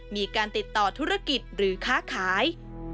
มีการติดต่อธุรกิจหรือค้าขาย